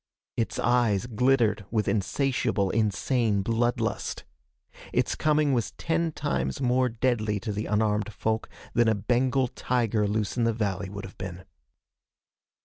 Its eyes glittered with insatiable, insane blood lust. Its coming was ten times more deadly to the unarmed folk than a Bengal tiger loose in the valley would have been.